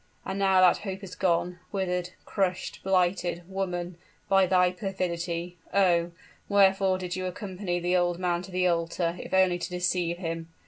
And now that hope is gone withered crushed blighted, woman, by thy perfidy! Oh! wherefore did you accompany the old man to the altar, if only to deceive him?